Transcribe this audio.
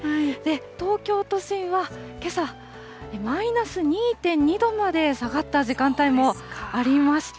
東京都心はけさマイナス２．２度まで下がった時間帯もありました。